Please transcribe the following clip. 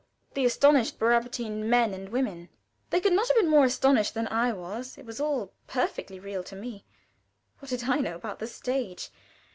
The astonished Brabantine men and women. They could not have been more astonished than I was. It was all perfectly real to me. What did I know about the stage?